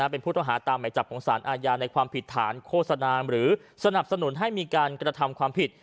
เป็นผู้ต้องหาตามหมายจับของสารอาญาในความผิดฐานโฆษณาหรือสนับสนุนให้มีการกระทำความผิด